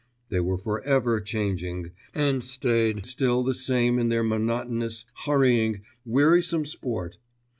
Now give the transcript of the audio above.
they were for ever changing and stayed still the same in their monotonous, hurrying, wearisome sport!